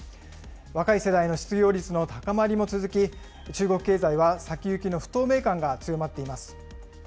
若い世代の失業率のも続き、中国経済は先行きの不透明感が強まっています。